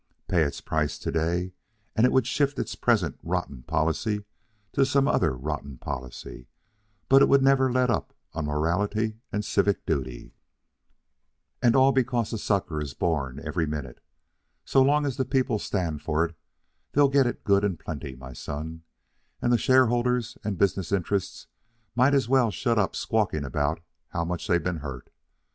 Pay its price to day, and it would shift its present rotten policy to some other rotten policy; but it would never let up on morality and civic duty. "And all because a sucker is born every minute. So long as the people stand for it, they'll get it good and plenty, my son. And the shareholders and business interests might as well shut up squawking about how much they've been hurt.